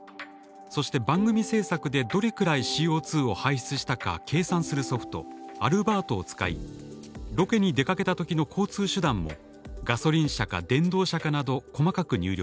そして番組制作でどれくらいＣＯを排出したか計算するソフト「アルバート」を使いロケに出かけたときの交通手段もガソリン車か電動車かなど細かく入力します。